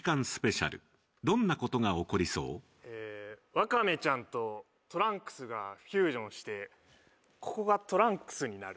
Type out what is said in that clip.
ワカメちゃんとトランクスがフュージョンしてここがトランクスになる。